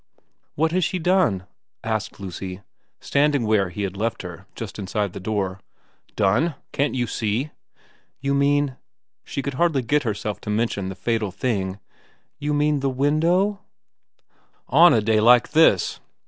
' What has she done ?' asked Lucy, standing where he had left her just inside the door. ' Done ? Can't you see ?'' You mean ' she could hardly get herself to mention the fatal thing ' you mean the window ?' 208 xix VERA 209 * On a day like this